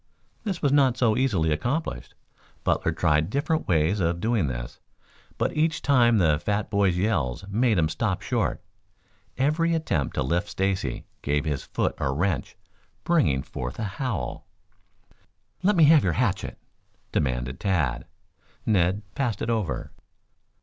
This was not so easily accomplished. Butler tried different ways of doing this, but each time the fat boy's yells made him stop short. Every attempt to lift Stacy gave his foot a wrench, bringing forth a howl. "Let me have your hatchet," demanded Tad. Ned passed it over.